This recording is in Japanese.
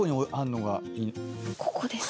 ここです。